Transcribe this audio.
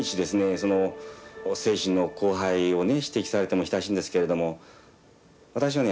その精神の荒廃を指摘されて久しいんですけれども私はね